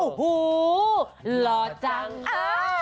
โอ้โหหล่อจังค่ะ